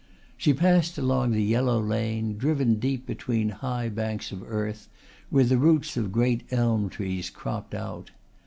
She passed along the yellow lane driven deep between high banks of earth where the roots of great elm trees cropped out.